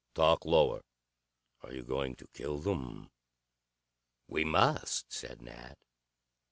Talk lower. Are you going to kill them?" "We must," said Nat.